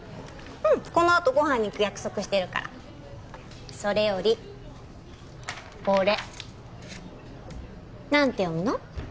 うんこのあとご飯に行く約束してるからそれよりこれ何て読むの？